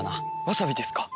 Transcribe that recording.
わさびですか？